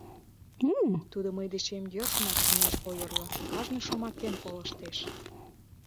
Тудо мый дечем йӧршынак ынеж ойырло, кажне шомакем колыштеш.